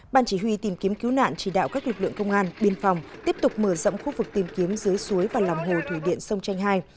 ban chỉ huy tìm kiếm cứu nạn chỉ đạo các lực lượng công an biên phòng tiếp tục mở rộng khu vực tìm kiếm dưới suối và lòng hồ thủy điện sông tranh hai